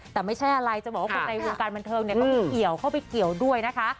แต่ไม่ใช่อะไรจะบอกว่าคนในวงการบันเทิงเข้าไปเกี่ยวเข้าไปเกี่ยวด้วยนะคะ